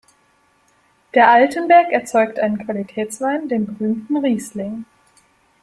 Der Altenberg erzeugt einen Qualitätswein, den berühmten Riesling".